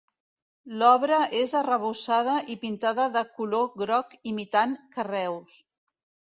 L'obra és arrebossada i pintada de color groc imitant carreus.